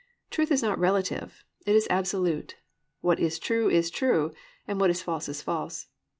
Truth is not relative; it is absolute. What is true is true, and what is false is false.